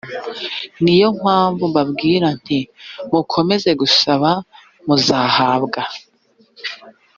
ni yo mpamvu mbabwira nti mukomeze gusaba c muzahabwa